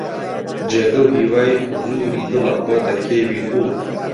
جێگە و هیوای حوزووری دڵە بۆتە کێوی توور